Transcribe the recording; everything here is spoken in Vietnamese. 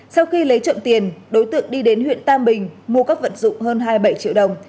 sau khi lấy trộm tiền đối tượng đi đến huyện tam bình mua các vận dụng hơn hai mươi bảy triệu đồng